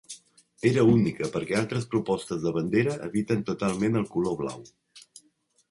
Era única, perquè altres propostes de bandera eviten totalment el color blau.